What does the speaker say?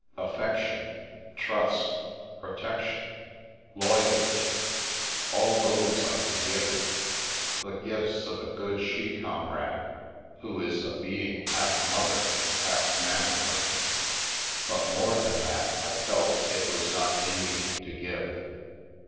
Affec tion, trust, protection, loyalty, all those I could give him, the gifts of a good she comrade, who is a being half mother and half man friend, but more than that I felt it was not in me to give.